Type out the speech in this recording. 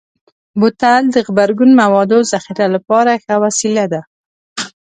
بوتل د غبرګون موادو ذخیره لپاره ښه وسیله ده.